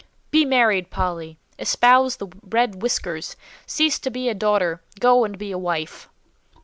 "Be married, Polly! Espouse the red whiskers. Cease to be a daughter; go and be a wife!"